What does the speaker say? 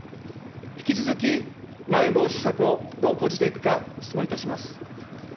引き続き、まん延防止策をどう講じていくか、質問いたします。